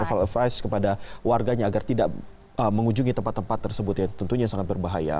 travel advice kepada warganya agar tidak mengunjungi tempat tempat tersebut yang tentunya sangat berbahaya